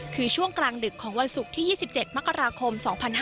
คือช่วงกลางดึกของวันศุกร์ที่๒๗มกราคม๒๕๕๙